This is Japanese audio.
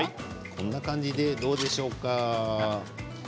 こんな感じでどうでしょうか？